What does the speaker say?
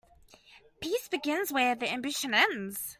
Peace begins just where ambition ends.